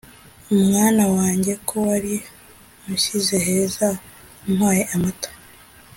mwana wanjye ko wari unshyize heza, umpaye amata,